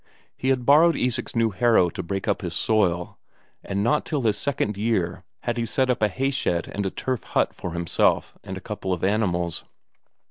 He had borrowed Isak's new harrow to break up his soil, and not till the second year had he set up a hayshed and a turf hut for himself and a couple of animals.